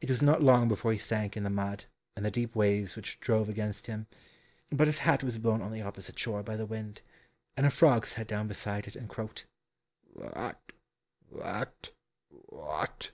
It was not long before he sank in the mud and the deep waves which drove against him, but his hat was blown on the opposite shore by the wind, and a frog sat down beside it, and croaked "Wat, wat, wat."